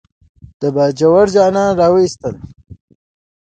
د باجوړ خانان راوستل.